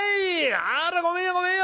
あらごめんよごめんよ！